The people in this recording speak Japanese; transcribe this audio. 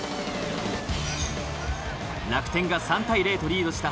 楽天が３対０とリードした